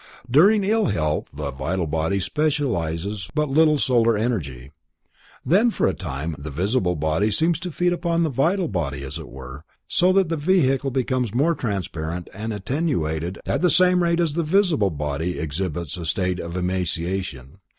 During ill health the vital body specializes but little solar energy. Then, for a time, the visible body seems to feed upon the vital body as it were, so that the vehicle becomes more transparent and attenuated at the same rate as the visible body exhibits a state of emaciation.